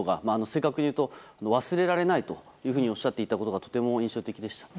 正確に言うと忘れられないとおっしゃっていたことがとても印象的でした。